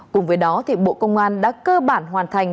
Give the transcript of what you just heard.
cùng với đó bộ công an đã cơ bản hoàn thành